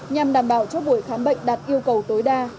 nhằm đảm bảo cho buổi khám bệnh đạt yêu cầu tối đa